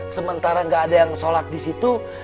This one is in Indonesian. sementara gak ada yang sholat disitu